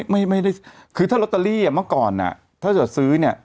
ไม่ได้คือถ้าลอตเตอรี่เมื่อก่อนถ้าจะซื้อเนี่ย